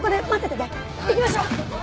行きましょう！